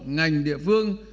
ngành địa phương